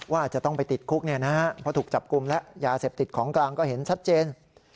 ว่าจะต้องไปติดคุกเพราะถูกจับกลุ่มแล้วยาเสพติดของกลางก็เห็นชัดเจน